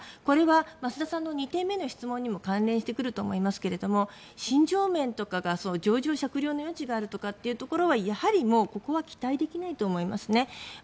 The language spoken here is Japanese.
これは増田さんの２点目の質問にも関連してくると思いますけど心情面とか情状酌量の余地があるとかはやはり、ここは期待できないと思いますね。